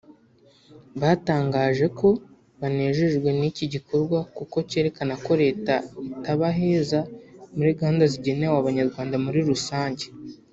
batangaje ko banejejwe n’iki gikorwa kuko cyerekana ko leta itabaheza muri gahunda zigenerwa Abanyarwanda muri rusange